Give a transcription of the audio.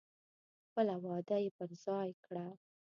خپله وعده یې پر ځای کړه.